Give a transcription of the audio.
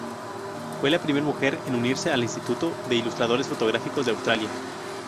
Fue la primera mujer en unirse al Instituto de Ilustradores Fotográficos de Australia.